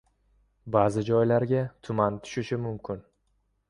Ba’zi joylarga tuman tushishi mumkin